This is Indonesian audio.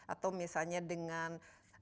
atau misalnya dengan